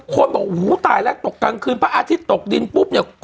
คนบอกหูตายแล้วตกกลางคืนพระอาทิตย์ตกดินปุ๊บเนี่ย